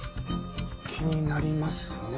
気になりますね。